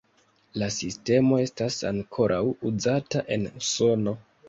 La sistemo estas ankoraŭ uzata en Usono.